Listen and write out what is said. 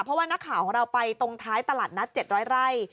เพราะว่านักข่าวของเราไปตรงท้ายตลาดนัด๗๐๐ไร่